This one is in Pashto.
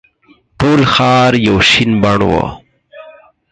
ټول ښار یو شین بڼ وو.